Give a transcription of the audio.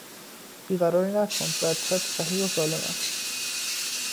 بیقراری نکن، بچهات صحیح و سالم است!